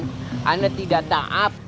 saya tidak ta'ab